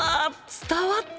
伝わった！